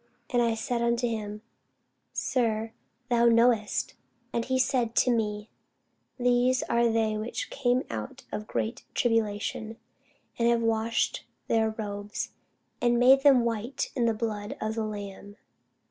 And I said unto him, Sir, thou knowest. And he said to me, These are they which came out of great tribulation, and have washed their robes, and made them white in the blood of the Lamb.